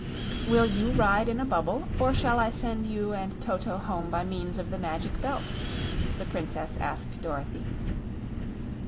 "Will you ride in a bubble, or shall I send you and Toto home by means of the Magic Belt?" the Princess asked Dorothy.